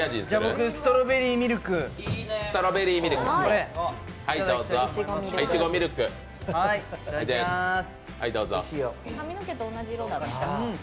僕、ストロベリーミルク、いただきます。